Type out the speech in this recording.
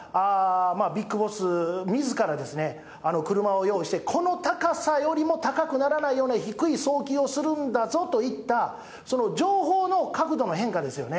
ビッグボスみずから、車を用意して、この高さよりも高くならないような低い送球をするんだぞといった、情報の角度の変化ですよね。